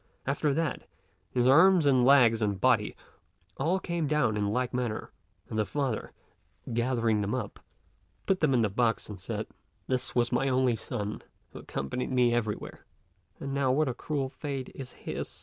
After that, his arms, and legs, and body, all came down in like manner; and the father, gathering them up, put them in the box and said, "This was my only son, who accompanied me everywhere; and now what a cruel fate is his.